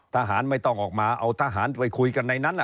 ทหารไม่ต้องออกมาเอาทหารไปคุยกันในนั้น